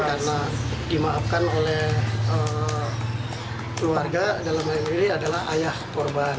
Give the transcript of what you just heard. karena dimaafkan oleh keluarga dalam hal ini adalah ayah korban